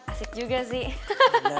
asyik juga sih